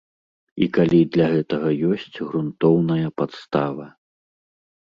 І калі для гэтага ёсць грунтоўная падстава.